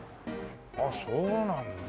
あっそうなんだ。